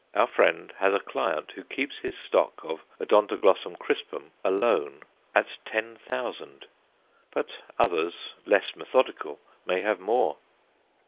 Our friend has a client who keeps his stock of O. crispum alone at ten thousand; but others, less methodical, may have more.